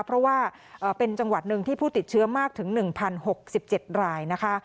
เพราะว่าเป็นจังหวัดหนึ่งที่ผู้ติดเชื้อมากถึง๑๐๖๗รายนะคะ